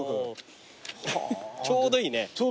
ちょうどいいね。